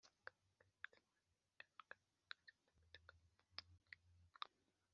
cyangwa umwe mu bashakanye atakigira ubushake bwo gukora imibonano mpuzabitsina,